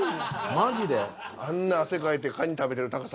マジで？